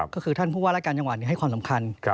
ก็คือท่านผู้ว่ารายการจังหวัดให้ความสำคัญ